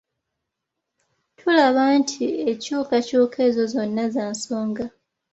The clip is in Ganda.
Tulaba nti enkyukakyuka ezo zonna za nsonga.